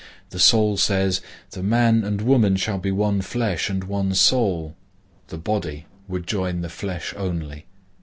The soul says, 'The man and woman shall be one flesh and one soul;' the body would join the flesh only.